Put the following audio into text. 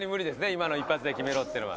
今の一発で決めろっていうのは。